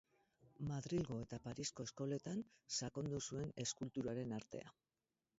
Madrilgo eta Parisko eskoletan sakondu zuen eskulturaren artea.